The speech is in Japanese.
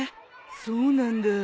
そうなんだ。